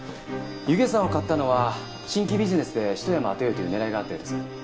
弓削山を買ったのは新規ビジネスでひと山当てようという狙いがあったようです。